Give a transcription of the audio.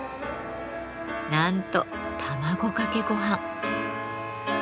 なんと卵かけごはん。